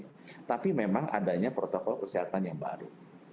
sekarang adanya protokol kesehatan yang baru